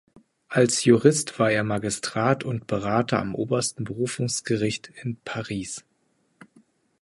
Als Jurist war er Magistrat und Berater am Obersten Berufungsgericht in Paris.